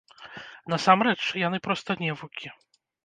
Насамрэч, яны проста невукі.